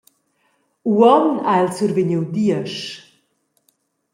Uonn ha el survegniu diesch.